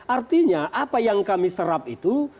artinya apa yang kami serap itu